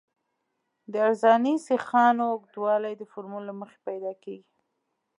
د عرضاني سیخانو اوږدوالی د فورمول له مخې پیدا کیږي